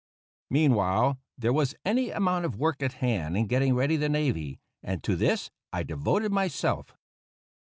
Meanwhile, there was any amount of work at hand in getting ready the navy, and to this I devoted myself.